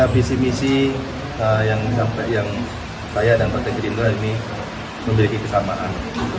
bisi bisi yang sampai yang saya dan pak tegri rindu almi memiliki kesamaan